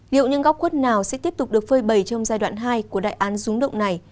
liệu những góc quất nào sẽ tiếp tục được phơi bầy trong giai đoạn hai của đại án rúng động này